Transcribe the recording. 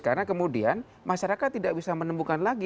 karena kemudian masyarakat tidak bisa menemukan lagi